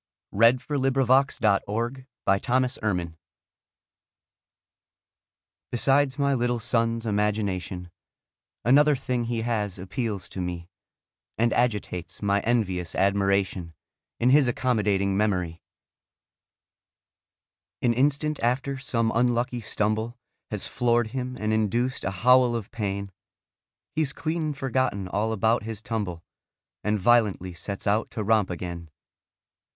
HIS MEMORY Besides my little son's imagination, Another thing he has appeals to me And agitates my envious admiration It's his accommodating memory. An instant after some unlucky stumble Has floored him and induced a howl of pain, He's clean forgotten all about his tumble And violently sets out to romp again.